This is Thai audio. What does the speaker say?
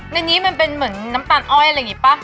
ในนี้มันเป็นเหมือนน้ำตาลอ้อยอะไรอย่างนี้ป่ะ